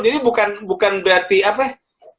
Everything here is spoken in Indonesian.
jadi bukan berarti apa ya